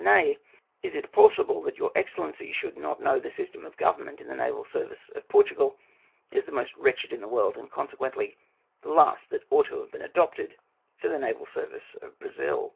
Nay, is it possible that your excellency should not know that the system of government in the naval service of Portugal is the most wretched in the world, and consequently the last that ought to have been adopted for the naval service of Brazil?